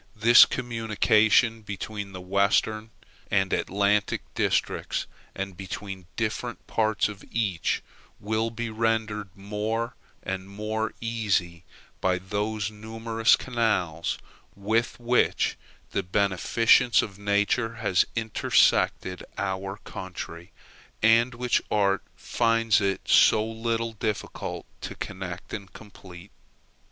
The communication between the Western and Atlantic districts, and between different parts of each, will be rendered more and more easy by those numerous canals with which the beneficence of nature has intersected our country, and which art finds it so little difficult to connect and complete.